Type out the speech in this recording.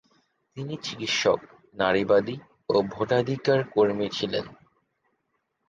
তিনি চিকিৎসক, নারীবাদী ও ভোটাধিকার কর্মী ছিলেন।